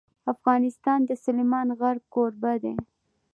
افغانستان د سلیمان غر کوربه دی.